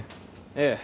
ええ。